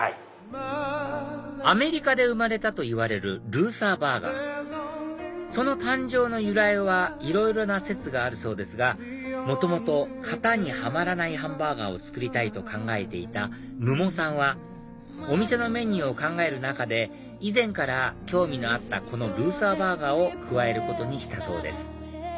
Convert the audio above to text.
アメリカで生まれたといわれるルーサーバーガーその誕生の由来はいろいろな説があるそうですが元々型にはまらないハンバーガーを作りたいと考えていた武茂さんはお店のメニューを考える中で以前から興味のあったこのルーサーバーガーを加えることにしたそうです